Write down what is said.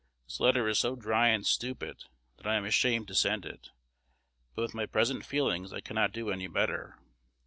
This letter is so dry and stupid that I am ashamed to send it, but with my present feelings I cannot do any better.